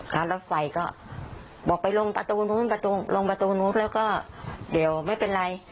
การรถไฟก็บอกไปลงประตูนู้นประตูลงประตูนู้นแล้วก็เดี๋ยวไม่เป็นไร